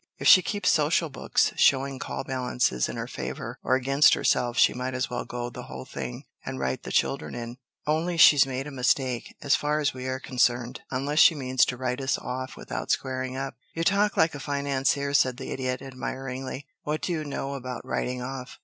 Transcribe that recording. If she keeps social books showing call balances in her favor or against herself she might as well go the whole thing and write the children in only she's made a mistake, as far as we are concerned, unless she means to write us off without squaring up." "You talk like a financier," said the Idiot, admiringly. "What do you know about writing off?"